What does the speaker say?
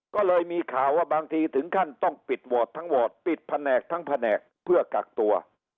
ก็เลยมีข่าวว่าบางทีถึงขั้นต้องปิดวอร์ดทั้งวอร์ดปิดแผนกทั้งแผนกเพื่อกักตัว